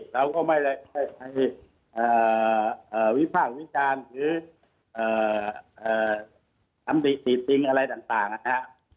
เราก็ไม่ให้วิภาควิการหรือทำติดติ๊งอะไรต่างนะครับ